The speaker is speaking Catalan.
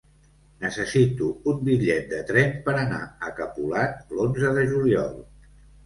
Necessito un bitllet de tren per anar a Capolat l'onze de juliol.